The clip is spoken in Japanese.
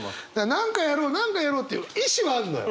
何かやろう何かやろうっていう意思はあるのよ。